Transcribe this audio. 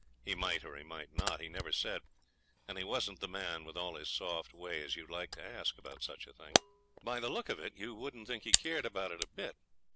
He might or he might not. He never said. And he wasn't the man, with all his soft ways, you'd like to ask about such a thing. By the look of it you wouldn't think he cared about it a bit.